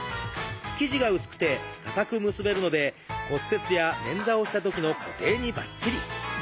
生地が薄くて固く結べるので骨折やねんざをしたときの固定にばっちり！